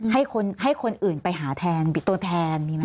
ให้คนให้คนอื่นไปหาแทนปิดโตนแทนมีไหม